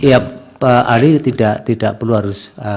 ya pak ari tidak perlu harus